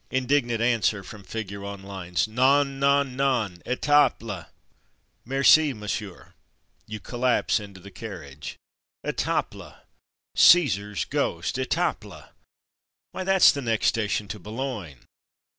Indignant answer from figure on lines: ''Non! Non! Non! Etaples!" ''Merci, Monsieur." You collapse into the carriage. ''Etaples!!! Caesar's Ghost! Etaples! Why that's the next station to Boulogne."